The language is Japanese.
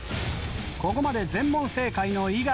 ここまで全問正解の猪狩。